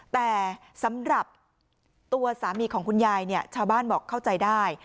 แต่สำหรับตัวสามีของคุณยายเนี่ยชาวบ้านบอกเข้าใจได้